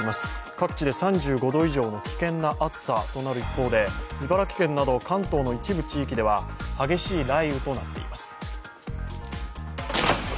各地で３５度以上の危険な暑さとなる一方で、茨城県など関東の一部地域では激しい雷雨となっています。